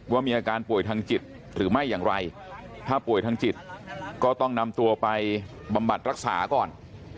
มีอาการป่วยทางจิตหรือไม่อย่างไรถ้าป่วยทางจิตก็ต้องนำตัวไปบำบัดรักษาก่อน